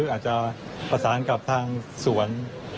อาจจะประสานกับทางสวน